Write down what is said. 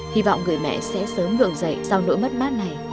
hy vọng người mẹ sẽ sớm vượng dậy sau nỗi mất mát này